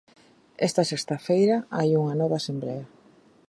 Esta sexta feira hai unha nova asemblea.